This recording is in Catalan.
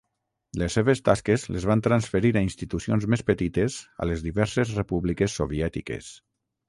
Les seves tasques les van transferir a institucions més petites a les diverses repúbliques soviètiques.